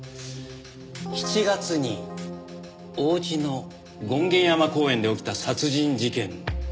７月に王子の権現山公園で起きた殺人事件の。